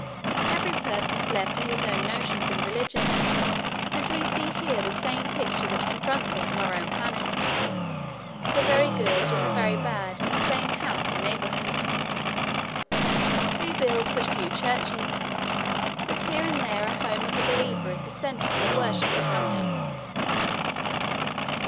Every person is left to his own notions in religion, and we see here the same picture that confronts us on our own planet, the very good and the very bad in the same house and neighborhood. They build but few churches, but here and there a home of a believer is the center of a worshiping company.